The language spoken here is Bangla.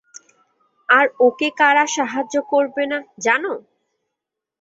আর ওকে কারা সাহায্য করবে না, জানো?